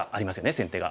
先手が。